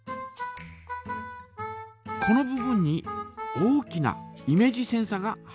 この部分に大きなイメージセンサが入っています。